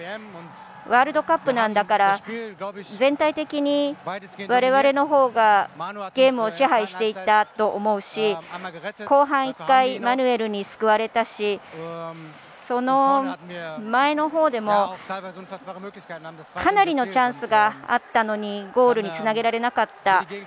ワールドカップなんだから全体的に我々の方がゲームを支配していたと思うし後半１回、マヌエルに救われたし前のほうでもかなりのチャンスがあったのにゴールにつなげられなかった。